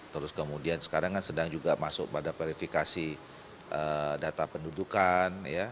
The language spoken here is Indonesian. terus kemudian sekarang kan sedang juga masuk pada verifikasi data pendudukan